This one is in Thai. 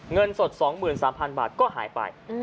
เงินสด๒๓๐๐๐บาทก็หายไป